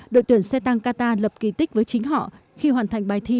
đội tuyển xe tăng qatar lập kỳ tích với chính họ khi hoàn thành bài thi